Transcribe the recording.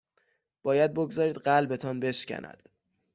باید بگذارید قلبتان بشکند